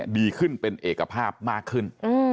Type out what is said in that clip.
ดีขึ้นเป็นเอกภาพมากขึ้น